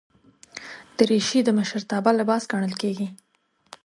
دریشي د مشرتابه لباس ګڼل کېږي.